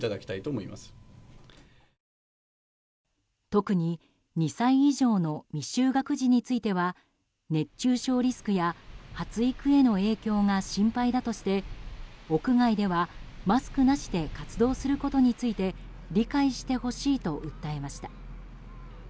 特に２歳以上の未就学児については熱中症リスクや発育への影響が心配だとして屋外ではマスクなしで活動することについて理解してほしいと訴えました。